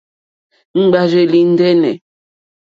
Ŋɡbárzèlì ndɛ́nɛ̀.